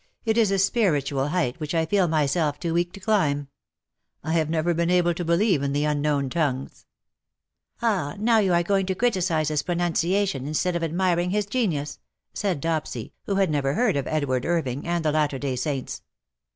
It is a spiritual height which I feel myself too weak to climb. I have never been able to believe in the unknown tongues." '^ Ah, now^ you are going to criticize his pronunciation^ instead of admiring his genius/^ said Dopsy, who had never heard of Edward Irving and the Latter Day Saints.